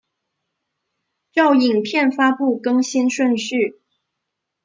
照影片发布更新顺序